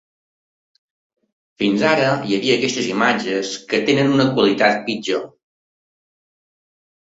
Fins ara hi havia aquestes imatges, que tenen una qualitat pitjor.